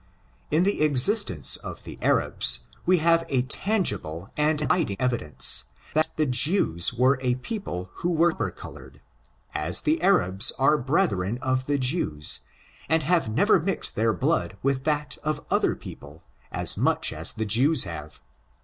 In the existence of the Arabs, we have a tangible and an abiding evidence, that the Jews were a people who were copper colored, as the Arabs are brethren of the Jews, and have never mixed their blood with that of other people as much as the Jews have.